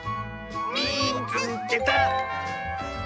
「みいつけた！」。